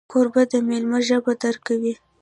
کوربه د میلمه ژبه درک کوي.